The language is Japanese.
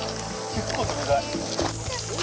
結構冷たい。